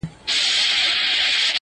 له ظالم څخه به څنگه په امان سم.!